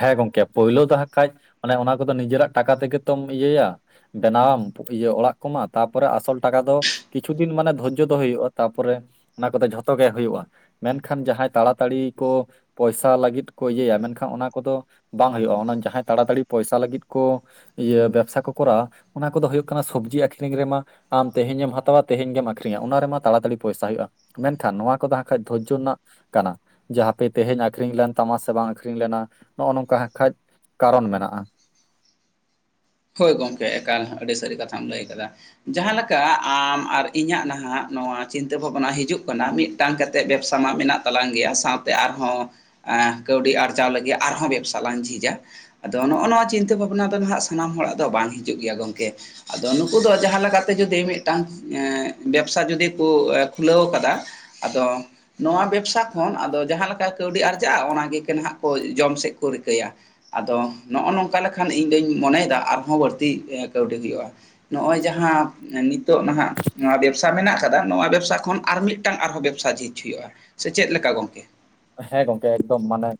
Speaker 1: ᱦᱮᱸ ᱜᱚᱝᱠᱮ ᱯᱳᱭᱞᱳ ᱫᱚ ᱦᱟᱸᱜ ᱠᱷᱟᱡ ᱢᱟᱱᱮ ᱚᱱᱟ ᱠᱚᱫᱚ ᱱᱤᱡᱮᱨᱟᱜ ᱴᱟᱠᱟ ᱛᱮᱜᱮ ᱛᱚᱢ ᱤᱭᱟᱹᱭᱟ᱾ ᱵᱮᱱᱟᱣᱟᱢ ᱤᱭᱟᱹ ᱚᱲᱟᱜ ᱠᱚᱢᱟ ᱛᱟᱨᱯᱚᱨᱮ ᱟᱥᱚᱞ ᱴᱟᱠᱟ ᱫᱚᱼᱼ ᱠᱤᱪᱷᱩ ᱫᱤᱱ ᱢᱟᱱᱮ ᱫᱷᱳᱨᱡᱚ ᱫᱚᱦᱚ ᱦᱩᱭᱩᱜᱼᱟ, ᱛᱟᱨᱯᱚᱨᱮᱼᱼ ᱚᱱᱟ ᱠᱚᱫᱚ ᱡᱷᱚᱛᱚ ᱜᱮ ᱦᱩᱭᱩᱜᱼᱟ᱾ ᱢᱮᱱᱠᱷᱟᱱ ᱡᱟᱦᱟᱸᱭ ᱛᱟᱲᱟᱛᱟᱲᱤ ᱠᱚ ᱯᱚᱭᱥᱟ ᱞᱟᱹᱜᱤᱫᱼᱼ ᱠᱚ ᱤᱭᱟᱹᱭᱟ ᱢᱮᱱᱠᱷᱟᱱ ᱚᱱᱟ ᱠᱚᱫᱚ ᱵᱟᱝ ᱦᱩᱭᱩᱜᱼᱟ, ᱚᱱᱟ ᱡᱟᱦᱟᱸᱭ ᱛᱟᱲᱟᱛᱟᱲᱤ ᱯᱚᱭᱥᱟ ᱞᱟᱹᱜᱤᱫ ᱠᱚᱼᱼ ᱤᱭᱟᱹ ᱵᱮᱵᱥᱟ ᱠᱚ ᱠᱚᱨᱟᱣᱟ ᱚᱱᱟ ᱠᱚᱫᱚ ᱦᱩᱭᱩᱜ ᱠᱟᱱᱟ ᱥᱚᱵᱽᱡᱤ ᱟᱠᱷᱨᱤᱧ ᱨᱮᱢᱟᱼᱼ ᱟᱢ ᱛᱮᱦᱮᱧ ᱮᱢ ᱦᱟᱛᱟᱣᱟ ᱛᱮᱦᱮᱧ ᱜᱮᱢ ᱟᱠᱷᱨᱤᱧᱟ ᱚᱱᱟ ᱨᱮᱢᱟ ᱛᱟᱲᱟ ᱛᱟᱲᱤ ᱯᱚᱭᱥᱟ ᱦᱩᱭᱩᱜᱼᱟ᱾ ᱢᱮᱱ ᱠᱷᱟᱱ ᱱᱚᱣᱟ ᱠᱚᱫᱚ ᱦᱟᱸᱜ ᱠᱷᱟᱡ ᱫᱷᱳᱨᱡᱚ ᱨᱮᱱᱟᱜ ᱠᱟᱱᱟ ᱡᱟ ᱦᱟᱸᱯᱮ ᱛᱮᱦᱮᱧ ᱟᱠᱷᱨᱤᱧ ᱞᱮᱱᱼᱼ ᱛᱟᱢᱟ ᱥᱮ ᱵᱟᱝ ᱟᱠᱷᱨᱤᱧ ᱞᱮᱱᱟ ᱱᱚᱜᱼᱚ ᱱᱚᱝᱠᱟ ᱦᱟᱸᱜ ᱠᱷᱟᱡ ᱠᱟᱨᱚᱱ ᱢᱮᱱᱟᱜᱼᱟ᱾
Speaker 2: ᱦᱳᱭ ᱜᱚᱢᱠᱮ ᱮᱠᱟᱞ ᱟᱹᱰᱤ ᱥᱟᱹᱨᱤ ᱠᱟᱛᱷᱟᱢ ᱞᱟᱹᱭ ᱟᱠᱟᱫᱟ᱾ ᱡᱟᱦᱟᱸ ᱞᱮᱠᱟ ᱟᱢ ᱟᱨ ᱤᱧᱟᱹᱜ ᱱᱟᱦᱟᱜ ᱱᱚᱣᱟ ᱪᱤᱱᱛᱟᱹ ᱵᱷᱟᱵᱽᱱᱟ ᱦᱤᱡᱩᱜ ᱠᱟᱱᱟ, ᱢᱤᱫᱼᱼ ᱢᱤᱫ ᱴᱟᱝ ᱠᱟᱛᱮᱫ ᱵᱮᱵᱥᱟ ᱢᱟ ᱢᱮᱱᱟᱜ ᱛᱟᱞᱟᱝ ᱜᱮᱭᱟ ᱥᱟᱸᱣᱛᱮ ᱟᱨᱦᱚᱸᱼᱼ ᱠᱟᱹᱣᱰᱤ ᱟᱨᱡᱟᱣ ᱞᱟᱹᱜᱤᱫ ᱟᱨᱦᱚᱸ ᱵᱮᱵᱽᱥᱟ ᱞᱟᱝ ᱡᱷᱤᱡᱼᱟ ᱟᱫᱚ ᱱᱚᱜᱼᱚ ᱱᱚᱣᱟ ᱪᱤᱱᱛᱟᱹ ᱵᱷᱟᱵᱽᱱᱟ ᱫᱚ ᱱᱟᱦᱟᱜᱼᱼ ᱥᱟᱱᱟᱢ ᱦᱚᱲᱟᱜ ᱫᱚ ᱵᱟᱝ ᱦᱤᱡᱩᱜ ᱜᱮᱭᱟ ᱜᱚᱢᱠᱮ᱾ ᱟᱫᱚ ᱱᱩᱠᱩ ᱫᱚ ᱡᱟᱦᱟᱸ ᱞᱮᱠᱟ ᱛᱮ ᱡᱩᱫᱤ ᱢᱤᱫᱴᱟᱱ ᱵᱮᱵᱥᱟ ᱡᱩᱫᱤ ᱠᱚ ᱠᱷᱩᱞᱟᱹᱣ ᱠᱟᱫᱟ᱾ ᱟᱫᱚᱼᱼ ᱱᱚᱣᱟ ᱵᱮᱵᱥᱟ ᱠᱷᱚᱱ ᱟᱫᱚ ᱡᱟᱦᱟᱸ ᱞᱮᱠᱟ ᱠᱟᱹᱣᱰᱤ ᱟᱨᱡᱟᱜᱼᱟ ᱚᱱᱟ ᱜᱮ ᱱᱟᱦᱟᱜ ᱠᱚ ᱡᱚᱢ ᱥᱮᱫ ᱠᱚ ᱨᱤᱠᱟᱹᱭᱟ᱾ ᱟᱫᱚ ᱱᱚᱜᱼᱚ ᱱᱚᱝᱠᱟ ᱞᱮᱠᱷᱟᱱ ᱤᱧ ᱫᱩᱧ ᱢᱚᱱᱮᱭᱮᱫᱟ ᱟᱨᱦᱚᱸ ᱵᱟᱹᱲᱛᱤ ᱠᱟᱹᱣᱰᱤ ᱦᱩᱭᱩᱜᱼᱟ᱾ ᱱᱚᱜᱼᱚᱭ ᱡᱟᱦᱟᱸ ᱱᱤᱛᱚᱜ ᱱᱟᱦᱟᱜᱼᱼ ᱱᱚᱣᱟ ᱵᱮᱵᱽᱥᱟ ᱢᱮᱱᱟᱜ ᱠᱟᱫᱟ ᱱᱚᱣᱟ ᱵᱮᱵᱽᱥᱟ ᱠᱷᱚᱱ ᱟᱨ ᱢᱤᱫᱴᱟᱱ ᱟᱨᱦᱚᱸ ᱵᱮᱵᱽᱥᱟ ᱡᱷᱤᱡ ᱦᱩᱭᱩᱜᱼᱟ ᱥᱮ ᱪᱮᱫ ᱞᱮᱠᱟ ᱜᱚᱝᱠᱮ?
Speaker 1: ᱦᱮᱸ ᱜᱚᱝᱠᱮ ᱮᱠᱫᱚᱢ ᱢᱟᱱᱮᱼᱼ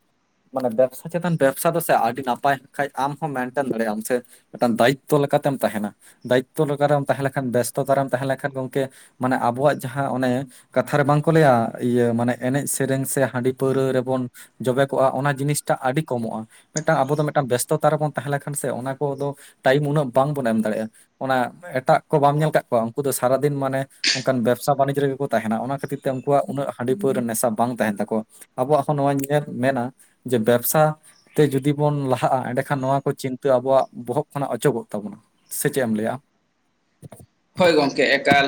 Speaker 1: ᱢᱟᱱᱮ ᱵᱮᱵᱽᱥᱟ ᱪᱮᱛᱟᱱ ᱵᱮᱵᱽᱥᱟ ᱫᱚ ᱥᱮ ᱟᱹᱰᱤ ᱱᱟᱯᱟᱭ ᱠᱷᱟᱡ ᱟᱢ ᱦᱚᱸ ᱢᱮᱱᱴᱮᱱ ᱫᱟᱲᱮᱭᱟᱜ ᱾ᱟᱢ ᱥᱮᱼᱼ ᱢᱤᱫᱴᱟᱝ ᱫᱟᱭᱤᱛᱛᱚ ᱞᱮᱠᱟᱛᱮᱢ ᱛᱟᱦᱮᱸᱱᱟ, ᱫᱟᱭᱤᱛᱛᱚ ᱞᱮᱠᱟ ᱞᱮᱠᱟᱨᱮᱢ ᱛᱟᱦᱮᱸ ᱞᱮᱱᱠᱷᱟᱱ ᱵᱮᱥᱛᱚᱛᱟ ᱨᱮᱢ ᱛᱟᱦᱮᱸ ᱞᱮᱱᱠᱷᱟᱱ ᱜᱚᱢᱠᱮᱼᱼ ᱢᱟᱱᱮ ᱟᱵᱚᱣᱟᱜ ᱡᱟᱦᱟᱸ ᱚᱱᱮ ᱠᱟᱛᱷᱟ ᱨᱮ ᱵᱟᱝᱠᱚ ᱞᱟᱹᱭᱟ ᱤᱭᱟᱹ ᱢᱟᱱᱮ ᱮᱱᱮᱡ ᱥᱮᱨᱮᱧ ᱥᱮᱼᱼ ᱦᱟᱹᱰᱤ ᱯᱟᱹᱣᱨᱟᱹ ᱨᱮᱵᱚᱱ ᱡᱚᱵᱮ ᱠᱚᱜᱼᱟ, ᱚᱱᱟ ᱡᱤᱱᱤᱥᱴᱟ ᱟᱹᱰᱤ ᱠᱚᱢᱚᱜᱼᱟ᱾ ᱢᱤᱫᱴᱟᱝ ᱟᱵᱚ ᱫᱚ ᱢᱤᱫᱴᱟᱱ ᱵᱮᱥᱛᱚᱛᱟ ᱨᱮᱵᱚᱱ ᱛᱟᱦᱮᱸ ᱞᱮᱱᱠᱷᱟᱱ ᱥᱮ ᱚᱱᱟ ᱠᱚᱫᱚ ᱴᱟᱭᱤᱢ ᱩᱱᱟᱹᱜ ᱵᱟᱝᱵᱚᱱ ᱮᱢ ᱫᱟᱲᱮᱭᱟᱜᱼᱟ᱾ ᱚᱱᱟ ᱮᱴᱟᱜ ᱠᱚ ᱵᱟᱢ ᱧᱮᱞ ᱠᱟᱫ ᱠᱚᱣᱟ ᱩᱱᱠᱩ ᱫᱚ ᱥᱟᱨᱟᱫᱤᱱ ᱢᱟᱱᱮᱼᱼ ᱚᱱᱠᱟᱱ ᱵᱮᱵᱽᱥᱟ ᱵᱟᱱᱤᱡᱽ ᱨᱮᱜᱮ ᱠᱚ ᱛᱟᱦᱮᱸᱱᱟ, ᱚᱱᱟ ᱠᱷᱟᱹᱛᱤᱨ ᱛᱮ ᱩᱱᱠᱩᱣᱟᱜ ᱩᱱᱟᱹᱜ ᱦᱟᱹᱰᱤ ᱯᱟᱹᱣᱨᱟᱹ ᱱᱮᱥᱟ ᱵᱟᱝ ᱛᱟᱦᱮᱸᱱ ᱛᱟᱠᱚᱣᱟ᱾ ᱟᱵᱚᱣᱟᱜ ᱦᱚᱸ ᱱᱚᱣᱟ ᱧᱮᱞ ᱢᱮᱱᱟ ᱡᱮ, ᱵᱮᱵᱽᱥᱟᱼᱼ ᱛᱮ ᱡᱩᱫᱤ ᱵᱚᱱ ᱞᱟᱦᱟᱜᱼᱟ, ᱮᱸᱰᱮᱠᱷᱟᱱ ᱱᱚᱣᱟ ᱠᱚ ᱪᱤᱱᱛᱟᱹ ᱟᱵᱚᱣᱟᱜ ᱵᱚᱦᱚᱜ ᱠᱷᱚᱱᱟᱜ ᱚᱪᱚᱜᱚᱜ ᱛᱟᱵᱚᱱᱟ᱾ ᱥᱮ ᱪᱮᱫ ᱮᱢ ᱞᱟᱹᱭᱟ ᱟᱢ?
Speaker 2: ᱦᱳᱭ ᱜᱚᱢᱠᱮ ᱮᱠᱟᱞ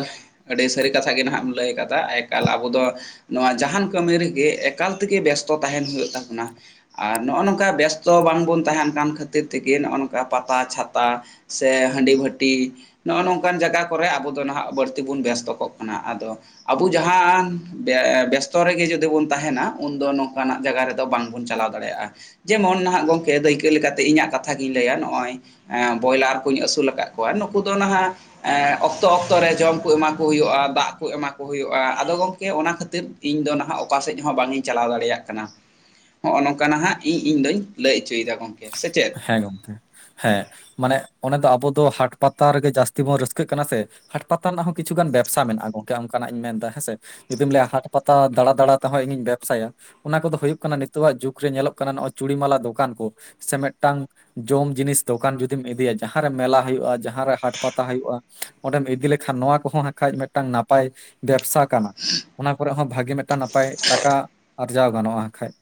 Speaker 2: ᱟᱹᱰᱤ ᱥᱟᱹᱨᱤ ᱠᱟᱛᱷᱟ ᱜᱮ ᱱᱟᱦᱟᱜ ᱮᱢ ᱞᱟᱹᱭ ᱠᱟᱫᱟ ᱮᱠᱟᱞ ᱟᱵᱚ ᱫᱚᱼᱼ ᱱᱚᱣᱟ ᱡᱟᱦᱟᱸᱱ ᱠᱟᱹᱢᱤ ᱨᱮᱜᱮ ᱮᱠᱟᱞ ᱛᱮᱜᱮ ᱵᱮᱥᱛᱚ ᱛᱟᱦᱮᱸᱱ ᱦᱩᱭᱩᱜ ᱛᱟᱵᱚᱱᱟ᱾ ᱟᱨ ᱱᱚᱜᱼᱚ ᱱᱚᱝᱠᱟ ᱵᱮᱥᱛᱚ ᱵᱟᱝᱵᱚᱱ ᱛᱟᱦᱮᱸᱱ ᱠᱟᱱ ᱠᱷᱟᱹᱛᱤᱨ ᱛᱮᱜᱮ ᱱᱚᱜᱼᱚ ᱱᱚᱝᱠᱟ ᱯᱟᱛᱟ ᱪᱷᱟᱛᱟᱼᱼ ᱥᱮ ᱦᱟᱹᱰᱤ ᱵᱷᱟᱹᱴᱤ ᱱᱚᱜᱼᱚᱼᱼ ᱱᱚᱠᱟᱱ ᱡᱟᱭᱜᱟ ᱠᱚᱨᱮ ᱟᱵᱚ ᱫᱚ ᱱᱟᱦᱟᱜ ᱵᱟᱹᱲᱛᱤ ᱵᱚᱱ ᱵᱮᱥᱛᱚ ᱠᱚᱜ ᱠᱟᱱᱟ, ᱟᱫᱚ ᱟᱵᱚ ᱡᱟᱦᱟᱸ ᱵᱮᱥᱛᱚ ᱨᱮᱜᱮ ᱡᱩᱫᱤ ᱵᱚᱱ ᱛᱟᱦᱮᱸᱱᱟ, ᱩᱱᱫᱚ ᱱᱚᱝᱠᱟᱱᱟᱜ ᱡᱟᱭᱜᱟ ᱨᱮᱫᱚ ᱵᱟᱝᱵᱚᱱ ᱪᱟᱞᱟᱣ ᱫᱟᱲᱮᱭᱟᱜ-ᱟ ᱾ ᱡᱮᱢᱚᱱ ᱱᱟᱦᱟᱜ ᱜᱚᱢᱠᱮ ᱫᱟᱹᱭᱠᱟᱹ ᱞᱮᱠᱟᱛᱮ ᱤᱧᱟᱹᱜ ᱠᱟᱛᱷᱟ ᱜᱤᱧ ᱞᱟᱹᱭᱟ, ᱱᱚᱜ-ᱚᱭ ᱵᱚᱭᱞᱟᱨ ᱠᱩᱧ ᱟᱹᱥᱩᱞ ᱟᱠᱟᱫ ᱠᱚᱣᱟ ᱱᱩᱠᱩ ᱫᱚ ᱱᱟᱦᱟᱜ ᱮ ᱚᱠᱛᱚ ᱚᱠᱛᱚ ᱨᱮ ᱡᱚᱢ ᱠᱚ ᱮᱢᱟ ᱠᱚ ᱦᱩᱭᱩᱜ-ᱟ, ᱫᱟᱜ ᱠᱚ ᱮᱢᱟ ᱠᱚ ᱦᱩᱭᱩᱜ-ᱟ, ᱟᱫᱚ ᱜᱚᱢᱠᱮ ᱚᱱᱟ ᱠᱷᱟᱹᱛᱤᱨ ᱤᱧ ᱫᱚ ᱱᱟᱦᱟᱜ ᱚᱠᱟ ᱥᱮᱫ ᱦᱚᱸ ᱵᱟᱝ ᱤᱧ ᱪᱟᱞᱟᱣ ᱫᱟᱲᱮᱭᱟᱜ ᱠᱟᱱᱟ᱾ ᱦᱚᱜ-ᱚ ᱱᱚᱝᱠᱟ ᱱᱟᱦᱟᱜ ᱤᱧ ᱤᱧᱫᱩᱧ ᱞᱟᱹᱭ ᱚᱪᱚᱭ ᱮᱫᱟ ᱜᱚᱢ
Speaker 1: ᱦᱮᱸ ᱜᱚᱢᱠᱮ [INAUDIBLE] ᱦᱮᱸ ᱾ ᱢᱟᱱᱮ ᱚᱱᱮ ᱛᱚ ᱟᱵᱚ ᱫᱚ ᱦᱟᱴ ᱯᱟᱛᱟ ᱨᱮᱜᱮ ᱡᱟᱹᱥᱛᱤ ᱵᱚᱱ ᱨᱟᱹᱥᱠᱟᱹᱜ ᱠᱟᱱᱟ ᱥᱮ᱾ ᱦᱟᱴ ᱯᱟᱛᱟ ᱨᱮᱱᱟᱜ ᱦᱚᱸ ᱠᱤᱪᱷᱩ ᱜᱟᱱ ᱵᱮᱵᱽᱥᱟ ᱢᱮᱱᱟᱜ-ᱟ ᱜᱚᱝᱠᱮ ᱚᱱᱠᱟᱱᱟᱜ ᱤᱧ ᱢᱮᱱ ᱮᱫᱟ ᱦᱮᱸ ᱥᱮ ᱾ ᱡᱩᱫᱤᱢ ᱞᱟᱹᱭᱟ ᱦᱟᱴ ᱯᱟᱛᱟ ᱫᱟᱬᱟ ᱫᱟᱬᱟ ᱛᱮᱦᱚᱸ ᱤᱧᱤᱧ ᱵᱮᱵᱽᱥᱟᱭᱟ ᱚᱱᱟ ᱠᱚᱫᱚ ᱦᱩᱭᱩᱜ ᱠᱟᱱᱟ ᱱᱤᱛᱳᱜᱟᱜ ᱡᱩᱜᱽ ᱨᱮ ᱧᱮᱞᱚᱜ ᱠᱟᱱᱟ ᱱᱚᱜ-ᱚ ᱪᱩᱲᱤ ᱢᱟᱞᱟ ᱫᱚᱠᱟᱱ ᱠᱚ ᱥᱮ ᱢᱤᱫᱴᱟᱝ ᱡᱚᱢ ᱡᱤᱱᱤᱥ ᱫᱚᱠᱟᱱ ᱡᱩᱫᱤᱢ ᱤᱫᱤᱭᱟ ᱡᱟᱦᱟᱸᱨᱮ ᱢᱮᱞᱟ ᱦᱩᱭᱩᱜ-ᱟ ᱡᱟᱦᱟᱸᱨᱮ ᱦᱟᱴ ᱯᱟᱛᱟ ᱦᱩᱭᱩᱜ-ᱟ ᱚᱸᱰᱮᱢ ᱤᱫᱤ ᱞᱮᱠᱷᱟᱱ ᱱᱚᱣᱟ ᱠᱚᱦᱚᱸ ᱦᱟᱸᱜ ᱠᱷᱟᱡ ᱢᱤᱫᱴᱟᱝ ᱱᱟᱯᱟᱭ ᱵᱮᱵᱽᱥᱟ ᱠᱟᱱᱟ ᱾ ᱚᱱᱟ ᱠᱚᱨᱮ ᱦᱚᱸ ᱵᱷᱟᱜᱮ ᱢᱤᱫᱴᱟᱝ ᱱᱟᱯᱟᱭ ᱴᱟᱠᱟ ᱟᱨᱡᱟᱣ ᱜᱟᱱᱚᱜ-ᱟ ᱦᱟᱜ ᱠᱷᱟᱡ ᱾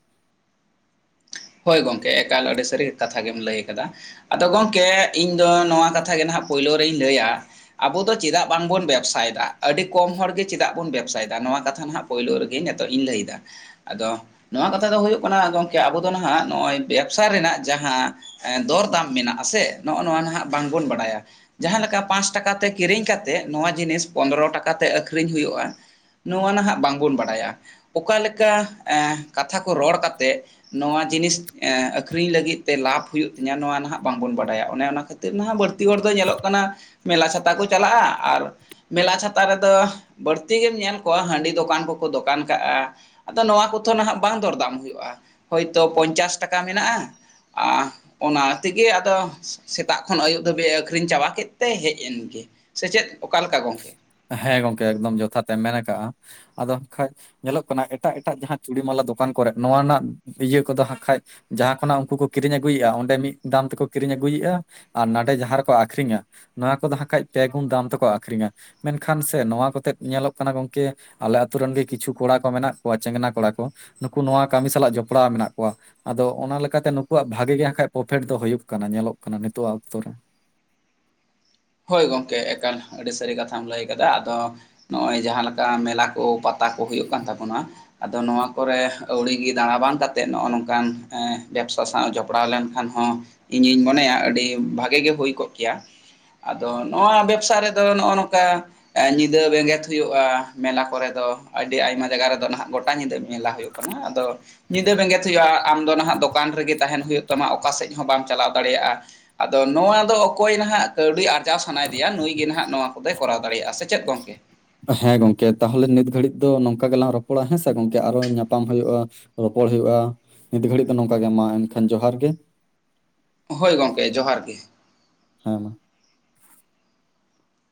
Speaker 2: ᱦᱳᱭ ᱜᱚᱢᱠᱮ ᱮᱠᱟᱞ ᱟᱹᱰᱤ ᱥᱟᱹᱨᱤ ᱠᱟᱛᱷᱟ ᱜᱮᱢ ᱞᱟᱹᱭ ᱟᱠᱟᱫᱟ ᱾ ᱟᱫᱚ ᱜᱚᱢᱠᱮ ᱤᱧ ᱫᱚ ᱱᱚᱣᱟ ᱠᱟᱛᱷᱟ ᱜᱮ ᱱᱟᱦᱟᱜ ᱯᱳᱭᱞᱳ ᱨᱮᱧ ᱞᱟᱹᱭᱟ ᱟᱵᱚ ᱫᱚ ᱪᱮᱫᱟᱜ ᱵᱟᱝᱵᱚᱱ ᱵᱮᱵᱽᱥᱟᱭ ᱮᱫᱟ ᱟᱹᱰᱤ ᱠᱚᱢ ᱦᱚᱲᱜᱮ ᱪᱮᱫᱟᱜ ᱵᱚᱱ ᱵᱮᱵᱽᱥᱟᱭ ᱮᱫᱟ ᱱᱚᱣᱟ ᱠᱟᱛᱷᱟ ᱱᱟᱦᱟᱜ ᱯᱳᱭᱞᱳ ᱨᱮᱜᱮ ᱱᱮᱛᱚᱜ ᱤᱧ ᱞᱟᱹᱭ ᱮᱫᱟ ᱾ ᱟᱫᱚ ᱱᱚᱣᱟ ᱠᱟᱛᱷᱟ ᱫᱚ ᱦᱳᱭᱳᱜ ᱠᱟᱱᱟ ᱜᱚᱝᱠᱮ ᱟᱵᱚ ᱫᱚ ᱱᱟᱦᱟᱜ ᱱᱚᱜ-ᱚᱭ ᱵᱮᱵᱽᱥᱟ ᱨᱮᱱᱟᱜ ᱡᱟᱦᱟᱸ ᱦᱮ ᱫᱚᱨ ᱫᱟᱢ ᱢᱮᱱᱟᱜ ᱟᱥᱮ ᱱᱚᱜ-ᱚ ᱱᱚᱣᱟ ᱱᱟᱦᱟᱜ ᱵᱟᱝᱵᱚᱱ ᱵᱟᱰᱟᱭᱟ ᱾ ᱡᱟᱦᱟᱸ ᱞᱮᱠᱟ ᱯᱟᱸᱥ ᱴᱟᱠᱟ ᱛᱮ ᱠᱤᱨᱤᱧ ᱠᱟᱛᱮᱜ ᱱᱚᱣᱟ ᱡᱤᱱᱤᱥ ᱯᱚᱱᱫᱨᱚ ᱴᱟᱠᱟ ᱛᱮ ᱟᱹᱠᱷᱨᱤᱧ ᱦᱩᱭᱩᱜ-ᱟ ᱾ ᱱᱚᱣᱟ ᱱᱟᱦᱟᱜ ᱵᱟᱝᱵᱚᱱ ᱵᱟᱰᱟᱭᱟ ᱾ ᱚᱠᱟ ᱞᱮᱠᱟ ᱮ ᱠᱟᱛᱷᱟ ᱠᱚ ᱨᱚᱲ ᱠᱟᱛᱮᱜ ᱱᱚᱣᱟ ᱡᱤᱱᱤᱥ ᱮ ᱟᱹᱠᱷᱨᱤᱧ ᱞᱟᱹᱜᱤᱫ ᱛᱮ ᱞᱟᱵᱷ ᱦᱩᱭᱩᱜ ᱛᱤᱧᱟ ᱱᱚᱣᱟ ᱱᱟᱦᱟᱜ ᱵᱟᱝᱵᱚᱱ ᱵᱟᱰᱟᱭᱟ, ᱚᱱᱮ ᱚᱱᱟ ᱠᱷᱟᱹ ᱛᱮ ᱱᱟᱦᱟᱜ ᱵᱟᱹᱲᱛᱤ ᱦᱚᱲ ᱫᱚᱭ ᱧᱮᱞᱚᱜ ᱠᱟᱱᱟ ᱢᱮᱞᱟ ᱪᱷᱟᱛᱟ ᱠᱚ ᱪᱟᱞᱟᱜ-ᱟ ᱟᱨ ᱢᱮᱞᱟ ᱪᱷᱟᱛᱟ ᱨᱮᱫᱚ ᱵᱟᱹᱲᱛᱤ ᱜᱮᱢ ᱧᱮᱞ ᱠᱚᱣᱟ ᱦᱟᱺᱰᱤ ᱫᱚᱠᱟᱱ ᱠᱚ ᱠᱚ ᱫᱚᱠᱟᱱ ᱠᱟᱜ-ᱟ ᱾ ᱟᱫᱚ ᱱᱚᱣᱟ ᱠᱚᱫᱚ ᱱᱟᱦᱟᱜ ᱵᱟᱝ ᱫᱚᱨᱫᱟᱢ ᱦᱩᱭᱩᱜ-ᱟ, ᱦᱳᱭᱛᱚ ᱯᱚᱧᱪᱟᱥ ᱴᱟᱠᱟ ᱢᱮᱱᱟᱜ-ᱟ
Speaker 1: [INAUDIBLE]
Speaker 2: ᱚᱱᱟ ᱛᱮᱜᱮ ᱟᱫᱚ ᱥᱮ ᱥᱮᱛᱟᱜ ᱠᱷᱚᱱ ᱟᱹᱭᱩᱵ ᱫᱷᱟᱹᱵᱤᱡ ᱮ ᱟᱹᱠᱷᱨᱤᱧ ᱪᱟᱵᱟ ᱠᱮᱜ ᱛᱮ ᱦᱮᱡ ᱮᱱᱜᱮ ᱾ ᱥᱮᱪᱮᱫ ᱚᱠᱟ ᱞᱮᱠᱟ ᱜᱚᱝᱠᱮ?
Speaker 1: ᱦᱮᱸ ᱜᱚᱝᱠᱮ ᱮᱠᱫᱚᱢ ᱡᱚᱛᱷᱟᱛ ᱮᱢ ᱢᱮᱱ ᱟᱠᱟᱜ-ᱟ ᱾ ᱟᱫᱚ ᱠᱷᱟᱡ ᱧᱮᱞᱚᱜ ᱠᱟᱱᱟ ᱮᱴᱟᱜ ᱮᱴᱟᱜ ᱡᱟᱦᱟᱸ ᱪᱩᱲᱤ ᱢᱟᱞᱟ ᱫᱚᱠᱟᱱ ᱠᱚᱨᱮᱜ ᱱᱚᱣᱟ ᱨᱮᱱᱟᱜ ᱤᱭᱟᱹ ᱠᱚᱫᱚ ᱦᱟᱸᱜ ᱠᱷᱟᱡ ᱡᱟᱦᱟᱸ ᱠᱷᱚᱱᱟᱜ ᱩᱱᱠᱩ ᱠᱚ ᱠᱤᱨᱤᱧ ᱟᱹᱜᱩᱭᱮᱫ-ᱟ ᱚᱸᱰᱮ ᱢᱤᱫ ᱫᱟᱢ ᱛᱮᱠᱚ ᱠᱤᱨᱤᱧ ᱟᱹᱜᱩᱭᱮᱜ-ᱟ ᱟᱨ ᱱᱟᱰᱮ ᱡᱟᱦᱟ ᱨᱮᱠᱚ ᱟᱠᱷᱨᱤᱧᱟ ᱱᱚᱣᱟ ᱠᱚᱫᱚ ᱦᱟᱸᱜ ᱠᱷᱟᱡ ᱯᱮ ᱜᱩᱱ ᱫᱟᱢ ᱛᱮᱠᱚ ᱟᱠᱷᱨᱤᱧᱟ ᱾ ᱢᱮᱱᱠᱷᱟᱱ ᱥᱮ ᱱᱚᱣᱟ ᱠᱚᱛᱮᱫ ᱧᱮᱞᱚᱜ ᱠᱟᱱᱟ ᱜᱚᱝᱠᱮ ᱟᱞᱮ ᱟᱛᱩᱨᱮᱱ ᱜᱮ ᱠᱤᱪᱷᱩ ᱠᱚᱲᱟ ᱠᱚ ᱢᱮᱱᱟᱜ ᱠᱚᱣᱟ ᱪᱮᱝᱱᱟ ᱠᱚᱲᱟ ᱠᱚ, ᱱᱩᱠᱩ ᱱᱚᱣᱟ ᱠᱟᱹᱢᱤ ᱥᱟᱞᱟᱜ ᱡᱚᱯᱲᱟᱣ ᱢᱮᱱᱟᱜ ᱠᱚᱣᱟ ᱾ ᱟᱫᱚ ᱚᱱᱟ ᱞᱮᱠᱟᱛᱮ ᱱᱩᱠᱩᱣᱟᱜ ᱵᱷᱟᱜᱮ ᱜᱮ ᱦᱟᱸᱜ ᱠᱷᱟᱡ ᱯᱚᱯᱷᱮᱰ ᱫᱚ ᱦᱩᱭᱩᱜ ᱠᱟᱱᱟ ᱧᱮᱞᱚᱜ ᱠᱟᱱᱟ ᱱᱤᱛᱳᱜ ᱟᱜ ᱚᱠᱛᱚ ᱨᱮ ᱾
Speaker 2: ᱦᱳᱭ ᱜᱚᱝᱠᱮ ᱮᱠᱟᱱ ᱟᱹᱰᱤ ᱥᱟᱹᱨᱤ ᱠᱟᱛᱷᱟᱢ ᱞᱟᱹᱭ ᱟᱠᱟᱫᱟ ᱾ ᱟᱫᱚ ᱱᱚᱜ-ᱚᱭ ᱡᱟᱦᱟᱸ ᱞᱮᱠᱟ ᱢᱮᱞᱟ ᱠᱚ ᱯᱟ ᱛᱟ ᱠᱚ ᱦᱩᱭᱩᱜ ᱠᱟᱱ ᱛᱟᱵᱚᱱᱟ ᱟᱫᱚ ᱱᱚᱣᱟ ᱠᱚᱨᱮ ᱟᱹᱣᱲᱤ ᱜᱮ ᱫᱟᱬᱟ ᱵᱟᱝ ᱠᱟᱛᱮᱜ ᱱᱚᱜ-ᱚ ᱱᱚᱝᱠᱟᱱ ᱮ ᱵᱮᱵᱽᱥᱟ ᱥᱟᱶ ᱡᱚᱯᱲᱟᱣ ᱞᱮᱱᱠᱷᱟᱱ ᱦᱚᱸ ᱤᱧᱤᱧ ᱢᱚᱱᱮᱭᱟ ᱟᱹᱰᱤ ᱵᱷᱟᱜᱮ ᱜᱮ ᱦᱩᱭ ᱠᱚᱜ ᱜᱮᱭᱟ ᱾ ᱟᱫᱚ ᱱᱚᱣᱟ ᱵᱮᱵᱽᱥᱟ ᱨᱮᱫᱚ ᱱᱚᱜ-ᱚ ᱱᱚᱝᱠᱟ ᱮ ᱧᱤᱫᱟᱹ ᱵᱮᱸᱜᱮᱫ ᱦᱩᱭᱩᱜ-ᱟ ᱢᱮᱞᱟ ᱠᱚᱨᱮ ᱫᱚ, ᱟᱹᱰᱤ ᱟᱭᱢᱟ ᱡᱟᱜᱟ ᱨᱮᱫᱚ ᱱᱟᱦᱟᱜ ᱜᱚᱴᱟ ᱧᱤᱫᱟᱹ ᱢᱮᱞᱟ ᱦᱳᱭᱳᱜ ᱠᱟᱱᱟ ᱾ ᱟᱫᱚ ᱧᱤᱫᱟᱹ ᱵᱮᱸᱜᱮᱫ ᱦᱩᱭᱩᱜ-ᱟ ᱟᱢ ᱫᱚ ᱱᱟᱦᱟᱜ ᱫᱚᱠᱟᱱ ᱨᱮᱜᱮ ᱛᱟᱦᱮᱱ ᱦᱩᱭᱩᱜ ᱛᱟᱢᱟ ᱚᱠᱟᱥᱮᱫ ᱦᱚᱸ ᱵᱟᱝ ᱪᱟᱞᱟᱣ ᱫᱟᱲᱮᱭᱟᱜ-ᱟ, ᱟᱫᱚ ᱱᱚᱣᱟ ᱫᱚ ᱚᱠᱚᱭ ᱱᱟᱦᱟᱜ ᱠᱟᱹᱣᱰᱤ ᱟᱨᱡᱟᱣ ᱥᱟᱱᱟᱭᱮᱫᱮᱭᱟ ᱱᱩᱭ ᱜᱮ ᱱᱟᱦᱟᱸᱜ ᱱᱚᱣᱟ ᱠᱚᱫᱚᱭ ᱠᱚᱨᱟᱣ ᱫᱟᱲᱮᱭᱟᱜᱼᱟ ᱥᱮ ᱪᱮᱫ ᱜᱚᱝᱠᱮ?
Speaker 1: ᱦᱮᱸ ᱜᱚᱝᱠᱮ ᱛᱟᱦᱚᱞᱮ ᱱᱤᱛ ᱜᱷᱟᱹᱲᱤ ᱫᱚ ᱱᱚᱝᱠᱟ ᱜᱮᱞᱟᱝ ᱨᱚᱯᱚᱲᱟ ᱦᱮᱸᱥᱮ ᱜᱚᱝᱠᱮ ᱟᱨᱚ ᱧᱟᱯᱟᱢ ᱦᱳᱭᱳᱜᱼᱟ᱾ ᱨᱚᱯᱚᱲ ᱦᱩᱭᱳᱜᱼᱟ ᱱᱤᱛ ᱜᱷᱟᱹᱲᱤ ᱫᱚ ᱱᱚᱝᱠᱟ ᱜᱮ ᱢᱟ ᱮᱱᱠᱷᱟᱱ ᱡᱚᱦᱟᱨ ᱜᱮ᱾
Speaker 2: ᱦᱳᱭ ᱜᱚᱝᱠᱮ ᱡᱚᱦᱟᱨ ᱜᱮ᱾
Speaker 1: ᱦᱟᱸ ᱢᱟ